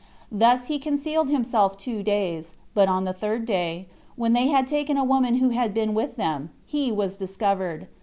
Thus he concealed himself two days; but on the third day, when they had taken a woman who had been with them, he was discovered.